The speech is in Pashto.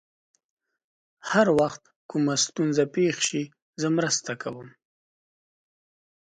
هر وخت کومه ستونزه پېښ شي، زه مرسته کوم.